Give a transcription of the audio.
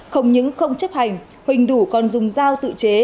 không những không chấp hành huỳnh đủ còn dùng dao tự chế